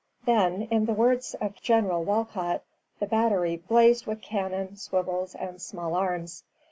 Then, in the words of General Wolcott, the battery "blazed with cannon, swivels, and small arms."